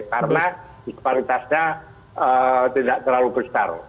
karena disparitasnya tidak terlalu besar